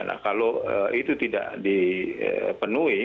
nah kalau itu tidak dipenuhi